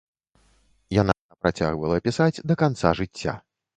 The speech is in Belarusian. Яна працягвала пісаць да канца жыцця.